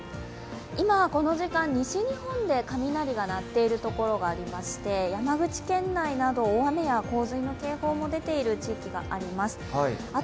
今、この時間、西日本で雷が鳴っている所がありまして山口県内など大雨や洪水の警報が出ている地域があります。